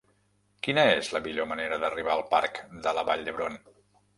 Quina és la millor manera d'arribar al parc de la Vall d'Hebron?